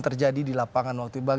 terjadi pion buntung